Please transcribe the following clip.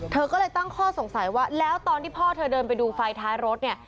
เธอก็เลยตั้งข้อสงสัยว่าแล้วตอนที่พ่อเธอเดินไปดูไฟท้ายรถเนี่ย